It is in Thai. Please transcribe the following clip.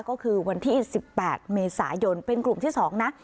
ก็คือวันที่๑๘เมษายนเป็นกลุ่มที่๒นะ